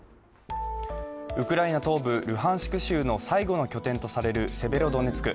ウクライナ東部ルハンシク州の最後の拠点とされるセベロドネツク。